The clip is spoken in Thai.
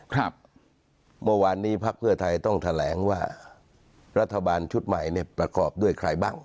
ครับเมื่อวานนี้พักเพื่อไทยต้องแถลงว่ารัฐบาลชุดใหม่เนี่ยประกอบด้วยใครบ้าง